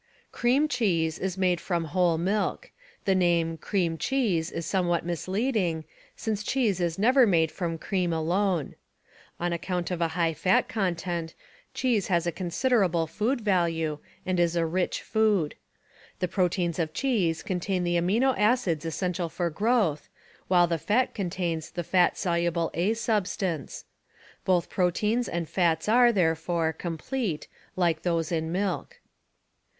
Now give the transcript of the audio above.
Cream Cheese is made from whole milk. The name "cream cheese" is somewhat misleading, since cheese is never made from cream alone. On account of a high fat content, cheese has a considerable food value and is a rich food. The proteins of cheese contain the animo acids essential for growth, while the fat contains the "fat soluble A" substance. Both proteins and fats are, therefore, "complete" hke those in milk.